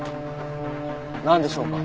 なんでしょうか？